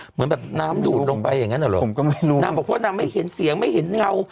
เหมือนแบบน้ำดูดลงไปอย่างนั้นเหรอผมก็ไม่รู้นางบอกว่านางไม่เห็นเสียงไม่เห็นเงา